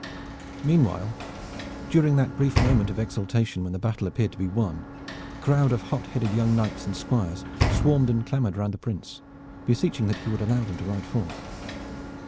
Meanwhile during that brief moment of exultation when the battle appeared to be won, a crowd of hot headed young knights and squires swarmed and clamored round the Prince, beseeching that he would allow them to ride forth.